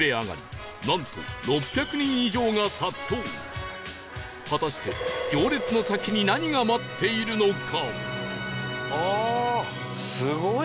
その数は果たして行列の先に何が待っているのか？